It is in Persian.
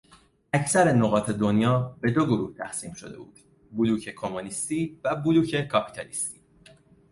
اکثر نقاط دنیا به دو گروه تقسیم شده بود: بلوک کمونیستی و بلوک کاپیتالیستی